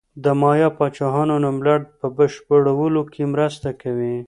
د مایا پاچاهانو نوملړ په بشپړولو کې مرسته کوي.